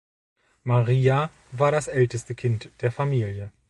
Maria war das älteste Kind der Familie.